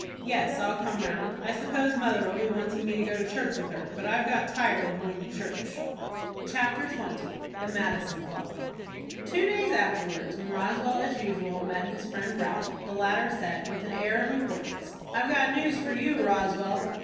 "Yes, I'll come round. I suppose mother'll be wanting me to go to church with her, but I've got tired of going to church." CHAPTER XX. THE MADISON CLUB. Two days afterwards, when Roswell as usual met his friend Ralph, the latter said, with an air of importance: "I've got news for you, Roswell."